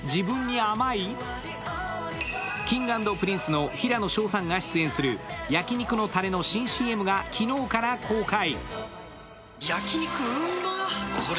Ｋｉｎｇ＆Ｐｒｉｎｃｅの平野紫耀さんが出演する焼き肉のたれの新ＣＭが昨日から公開。